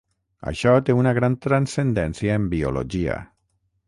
Això té una gran transcendència en biologia.